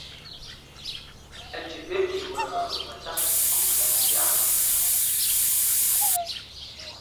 Anzeberge wuram ahe vatak guɓar ahe ya ?